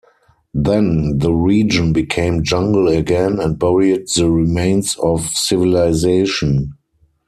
Then the region became jungle again and buried the remains of civilization.